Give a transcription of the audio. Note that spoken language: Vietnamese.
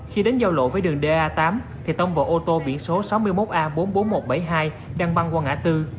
khi đến giao lộ với đường da tám thì tông vào ô tô biển số sáu mươi một a bốn mươi bốn nghìn một trăm bảy mươi hai đang băng qua ngã tư